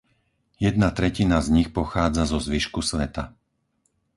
Jedna tretina z nich pochádza zo zvyšku sveta.